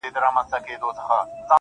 ستا خــوله كــي ټــپه اشــنا.